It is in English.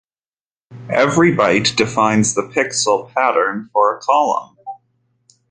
Every byte defines the pixel pattern for a column.